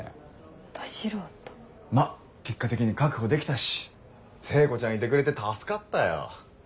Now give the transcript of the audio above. まぁ結果的に確保できたし聖子ちゃんいてくれて助かったよ。